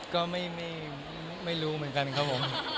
ก็ไม่รู้เหมือนกันครับผม